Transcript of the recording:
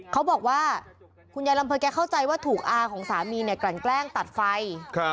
เขาบอกว่าคุณยายลำเภยแกเข้าใจว่าถูกอาของสามีเนี่ยกลั่นแกล้งตัดไฟ